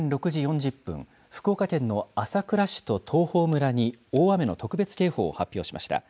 気象庁は午前６時４０分、福岡県の朝倉市と東峰村に大雨の特別警報を発表しました。